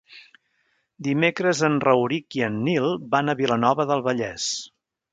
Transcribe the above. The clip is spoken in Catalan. Dimecres en Rauric i en Nil van a Vilanova del Vallès.